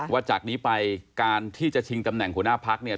ว่าจากนี้ไปการที่จะชิงตำแหน่งหัวหน้าพักเนี่ย